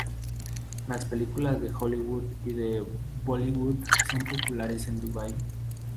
Las películas de Hollywood y de Bollywood son populares en Dubái.